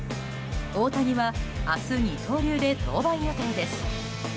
大谷は明日二刀流で登板予定です。